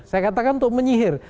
saya katakan untuk menyihir